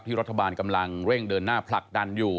รัฐบาลกำลังเร่งเดินหน้าผลักดันอยู่